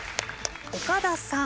岡田さん。